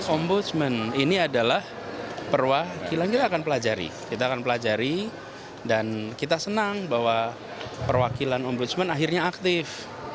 ombudsman ini adalah perwakilan kita akan pelajari kita akan pelajari dan kita senang bahwa perwakilan ombudsman akhirnya aktif